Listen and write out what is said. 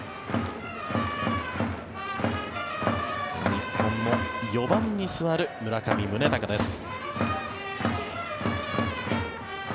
日本の４番に座る村上宗隆です。